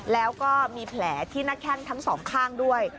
แล้วก็มีแผลที่หน้าแข้งทั้งสองข้างด้วย